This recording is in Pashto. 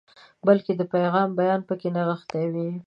بلکې د پیغام بیان پکې نغښتی وي.